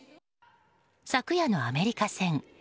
昨夜のアメリカ戦。